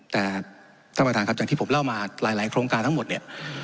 แต่ท่านประธานครับอย่างที่ผมเล่ามาหลายโครงการทั้งหมดเนี่ย